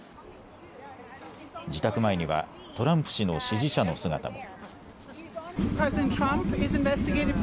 自宅前にはトランプ氏の支持者の姿も。